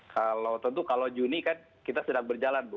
kalau tentu kalau juni kan kita sedang berjalan bu